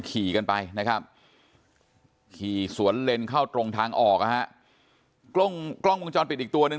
ขี่กันไปนะครับสวนเล็นเข้าตรงทางออกกล้องปิดอีกตัวหนึ่ง